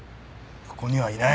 ここにはいない。